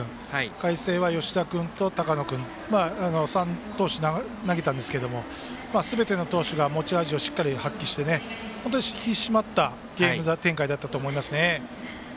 海星は吉田君と高野君３投手、投げたんですがすべての投手が持ち味をしっかり発揮して引き締まったゲーム展開だったと思います。